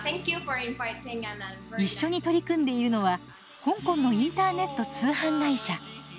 一緒に取り組んでいるのは香港のインターネット通販会社。